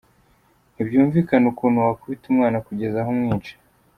Ntibyumvikana ukuntu wakubita umwana kugeza aho umwica.